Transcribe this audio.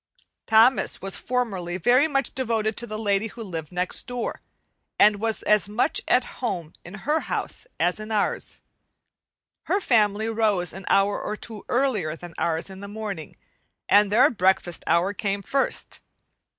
Thomas was formerly very much devoted to the lady who lived next door, and was as much at home in her house as in ours. Her family rose an hour or two earlier than ours in the morning, and their breakfast hour came first.